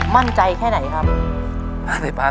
มั่นใจแค่ไหนครับ